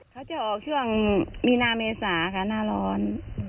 เขาจะออกช่วงมีนาเมษาค่ะหน้าร้อน